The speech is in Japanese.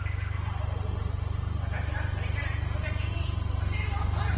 ワタシはこれからこのがけにトンネルをほる！